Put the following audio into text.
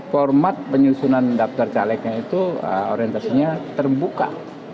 format penyusunan daftar calegnya itu orientasinya terbuka